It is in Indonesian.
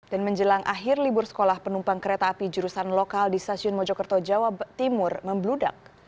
dan menjelang akhir libur sekolah penumpang kereta api jurusan lokal di stasiun mojokerto jawa timur membludak